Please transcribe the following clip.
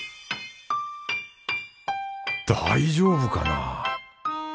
大丈夫かな？